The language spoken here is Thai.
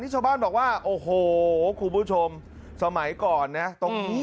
ชาวบ้านบอกว่าโอ้โหคุณผู้ชมสมัยก่อนนะตรงนี้